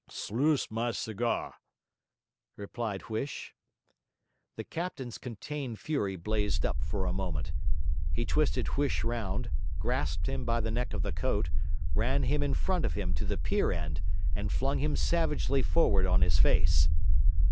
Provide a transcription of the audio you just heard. ''S lose my ciga',' replied Huish. The captain's contained fury blazed up for a moment. He twisted Huish round, grasped him by the neck of the coat, ran him in front of him to the pier end, and flung him savagely forward on his face.